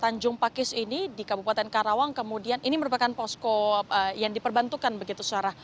tanjung pakis ini di kabupaten karawang kemudian ini merupakan posko yang diperbantukan begitu sarah